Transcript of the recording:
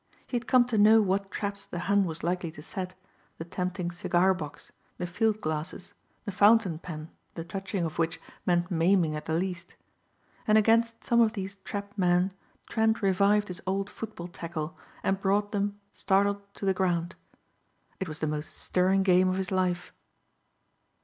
He had come to know what traps the Hun was likely to set, the tempting cigar box, the field glasses, the fountain pen the touching of which meant maiming at the least. And against some of these trapped men Trent revived his old football tackle and brought them startled to the ground. It was the most stirring game of his life.